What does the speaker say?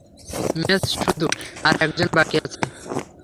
Mace শুধু আর একজন বাকি আছে।